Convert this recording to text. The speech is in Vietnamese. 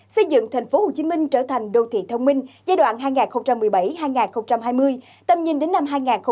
xây dựng thành phố hồ chí minh trở thành đô thị thông minh giai đoạn hai nghìn một mươi bảy hai nghìn hai mươi tầm nhìn đến năm hai nghìn hai mươi năm